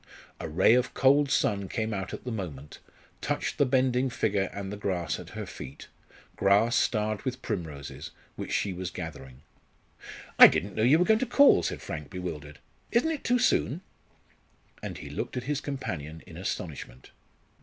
A ray of cold sun came out at the moment, touched the bending figure and the grass at her feet grass starred with primroses, which she was gathering. "I didn't know you were going to call," said Frank, bewildered. "Isn't it too soon?" And he looked at his companion in astonishment.